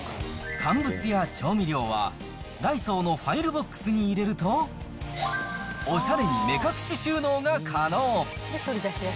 乾物や調味料は、ダイソーのファイルボックスに入れると、おしゃれに目隠し収納が可能。